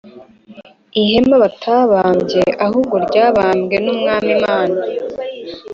Ihema batabambye ahubwo ryabambwe n’Umwami Imana